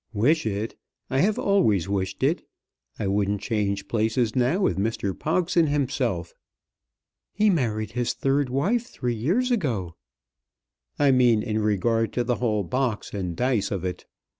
"Wish it! I have always wished it. I wouldn't change places now with Mr. Pogson himself." "He married his third wife three years ago!" "I mean in regard to the whole box and dice of it.